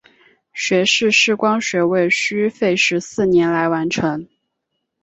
学士视光学位需费时四年来完成。